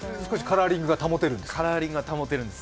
カラーリングが保てるんです。